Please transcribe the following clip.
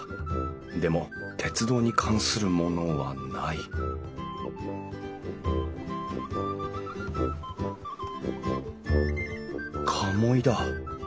でも鉄道に関するものはない鴨居だ。